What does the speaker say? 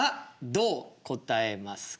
どう答えますか？という。